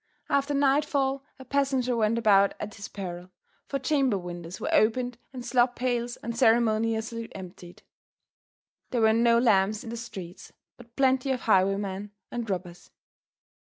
After nightfall a passenger went about at his peril, for chamber windows were opened and slop pails unceremoniously emptied. There were no lamps in the streets, but plenty of highwaymen and robbers.